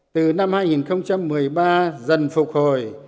từ năm hai nghìn một mươi ba dần phục hồi